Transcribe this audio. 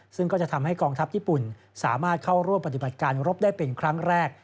ซึ่งก็จะทำให้กองทัพญี่ปุ่นสามารถเข้าร่วมปฏิบัติการรบได้เป็นครั้งแรก